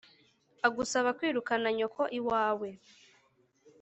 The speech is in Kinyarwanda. agusaba kwirukana nyoko iwawe